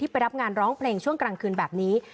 ไปรับงานร้องเพลงช่วงกลางคืนแบบนี้